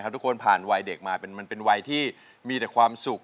ทุกคนผ่านวัยเด็กมามันเป็นวัยที่มีแต่ความสุข